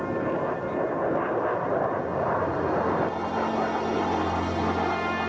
โรงพยาบาลวิทยาศาสตรี